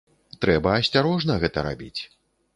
Трэба асцярожна гэта рабіць.